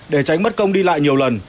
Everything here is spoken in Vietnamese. để tránh bất công đi lại nhiều lần